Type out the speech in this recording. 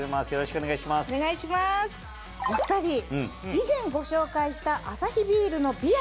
お２人以前ご紹介したアサヒビールのビアリー。